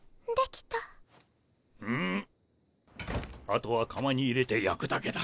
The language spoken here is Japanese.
あとはかまに入れてやくだけだ。